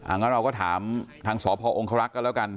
งั้นเราก็ถามทางสพองครักษ์กันแล้วกัน